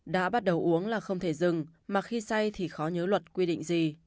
đã bắt đầu uống là không thể dừng mà khi say thì khó nhớ luật quy định gì